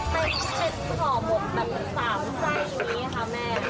เป็นขอบบแบบ๓ใส่อย่างนี้คะแม่